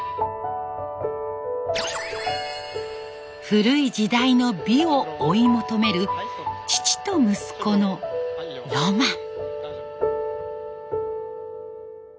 古い時代の美を追い求める父と息子のロマン。